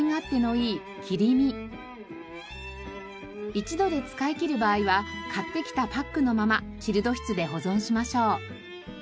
一度で使いきる場合は買ってきたパックのままチルド室で保存しましょう。